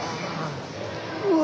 うわ。